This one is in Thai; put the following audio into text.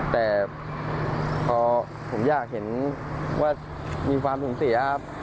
แต่เพราะผมอยากเห็นว่ามีความสูงเสีย